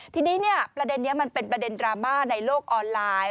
ทีนี้ประเด็นนี้มันเป็นประเด็นดราม่าในโลกออนไลน์